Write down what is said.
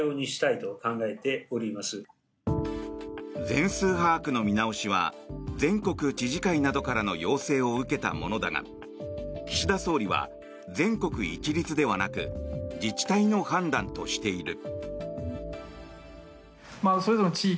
全数把握の見直しは全国知事会などからの要請を受けたものだが岸田総理は全国一律ではなく自治体の判断としている。